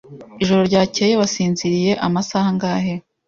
Ijoro ryakeye wasinziriye amasaha angahe?